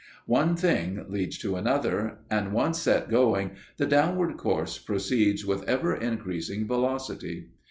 One thing leads to another; and once set going, the downward course proceeds with ever increasing velocity.